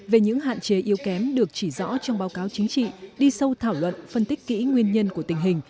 về những hạn chế yếu kém được chỉ rõ trong báo cáo chính trị đi sâu thảo luận phân tích kỹ nguyên nhân của tình hình